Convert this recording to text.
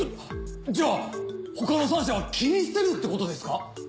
じゃあ他の３社は切り捨てるってことですか？